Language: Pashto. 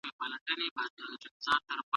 پانګه وال نظام د انسانانو په زیان دی.